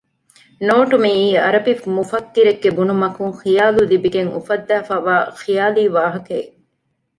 ނޯޓު މިއީ އަރަބި މުފައްކިރެއްގެ ބުނުމަކުން ޚިޔާލު ލިބިގެން އުފައްދައިފައިވާ ޚިޔާލީ ވާހަކައެއް